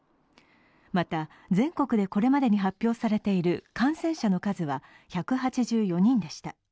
また、全国でこれまでに発表されている感染者の数は１８４人でした。